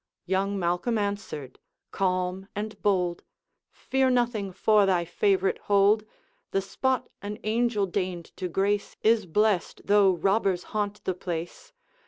Young Malcolm answered, calm and bold:' Fear nothing for thy favorite hold; The spot an angel deigned to grace Is blessed, though robbers haunt the place.